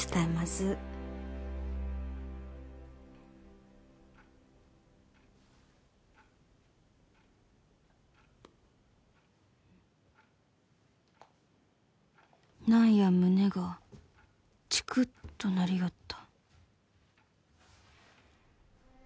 う何や胸がチクッとなりよった